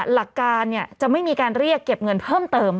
หลักการจะไม่มีการเรียกเก็บเงินเพิ่มเติม